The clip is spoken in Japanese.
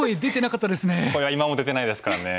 声は今も出てないですからね。